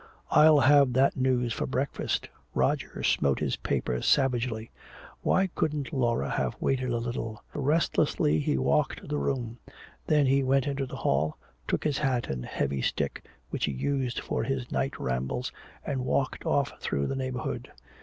"I'll have that news for breakfast!" Roger smote his paper savagely. Why couldn't Laura have waited a little? Restlessly he walked the room. Then he went into the hall, took his hat and a heavy stick which he used for his night rambles, and walked off through the neighborhood.